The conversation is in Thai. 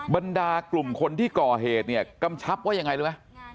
บรรดากลุ่มคนที่ก่อเหตุเนี่ยกำชับว่ายังไงรู้ไหม